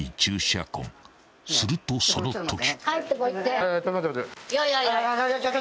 ［するとそのとき］